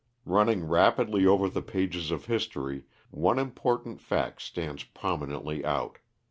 Running rapidly over the pages of history one important fact stands prominently out.